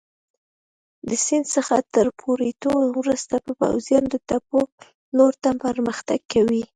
د سیند څخه تر پورېوتو وروسته به پوځیان د تپو لور ته پرمختګ کوي.